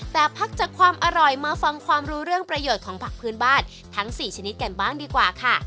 แต่พักจากความอร่อยมาฟังความรู้เรื่องประโยชน์ของผักพื้นบ้านทั้ง๔ชนิดกันบ้างดีกว่าค่ะ